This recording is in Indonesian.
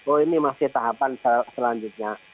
oh ini masih tahapan selanjutnya